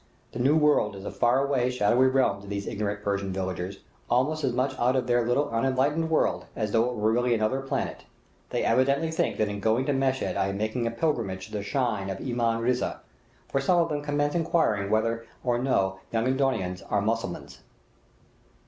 The New World is a far away, shadowy realm to these ignorant Persian villagers, almost as much out of their little, unenlightened world as though it were really another planet; they evidently think that in going to Meshed I am making a pilgrimage to the shrine of Imam Riza, for some of them commence inquiring whether or no Yenghi Donians are Mussulmans.